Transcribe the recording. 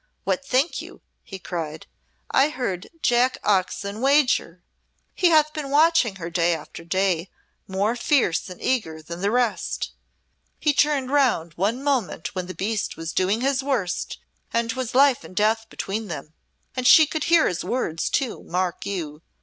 "What think you," he cried, "I heard Jack Oxon wager? He hath been watching her day after day more fierce and eager than the rest. He turned round one moment when the beast was doing his worst and 'twas life and death between them. And she could hear his words, too, mark you.